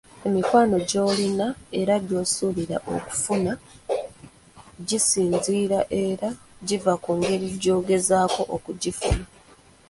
Emikwano gy’olina era gy’osuubira okufuna gisinziira era giva ku ngeri gy’ogezaako okugifunamu.